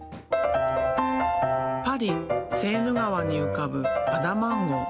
パリ・セーヌ川に浮かぶアダマン号。